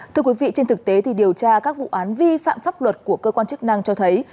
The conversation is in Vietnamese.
thưa quý vị trên thực tế điều tra các vụ án vi phạm pháp luật của cơ quan chức năng cho thấy